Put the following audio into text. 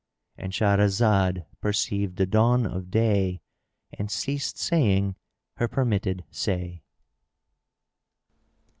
——And Shahrazad perceived the dawn of day and ceased saying her permitted say.